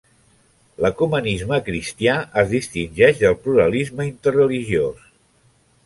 L'ecumenisme cristià es distingeix del pluralisme interreligiós.